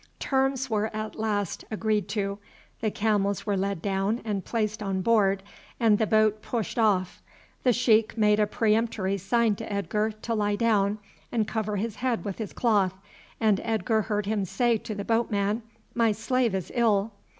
Terms were at last agreed to, the camels were led down and placed on board, and the boat pushed off. The sheik made a peremptory sign to Edgar to lie down and cover his head with his cloth, and Edgar heard him say to the boatman, "My slave is ill."